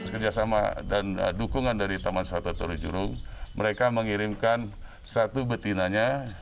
kerjasama dan dukungan dari taman satwa taru juruk mereka mengirimkan satu betinanya